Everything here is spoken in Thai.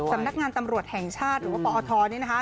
สำนักงานตำรวจแห่งชาติหรือว่าปอทนี่นะคะ